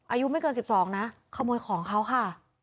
อายุไม่เกิน๑๒นะขโมยของเขาค่ะ